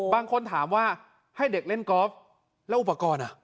บางคนถามว่าให้เด็กเล่นกอล์ฟแล้วอุปกรณ์อ่ะ